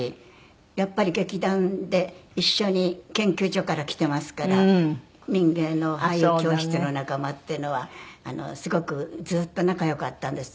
やっぱり劇団で一緒に研究所から来てますから民藝の俳優教室の仲間っていうのはすごくずっと仲良かったんです。